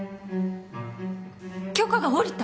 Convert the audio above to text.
許可が下りた！？